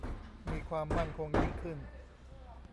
มีความมั่นคงยิ่งขึ้น